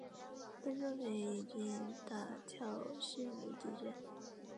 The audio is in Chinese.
这些作品已到达调性的底线。